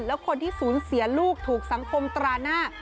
แล้วคนที่สูญเสียลูกถูกสังคมตราหน้า